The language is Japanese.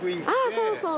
そうそう！